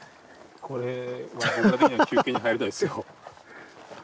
これは僕ら的には休憩に入りたいですよ。